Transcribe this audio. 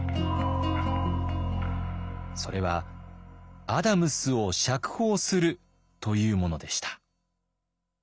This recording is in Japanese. それはアダムスを釈放するというものでした。